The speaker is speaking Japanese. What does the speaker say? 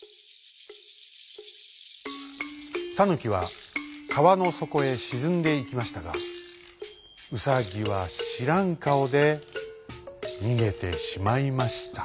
タヌキはかわのそこへしずんでいきましたがウサギはしらんかおでにげてしまいましたとさ。